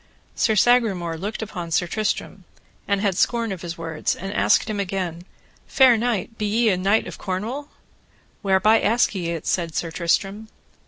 Sir Sagramore looked upon Sir Tristram, and had scorn of his words, and asked him again, Fair knight, be ye a knight of Cornwall? Whereby ask ye it? said Sir Tristram.